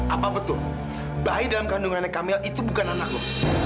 apa betul bayi dalam kandungan nek kamil itu bukan anak lu